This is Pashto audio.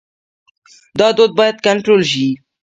دا دود باید کنټرول شي.